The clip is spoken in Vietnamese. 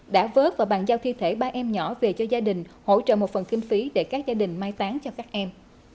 đã vớt và bàn giao thi thể ba em nhỏ về cho gia đình hỗ trợ một phần kinh phí để các gia đình mai tán cho các em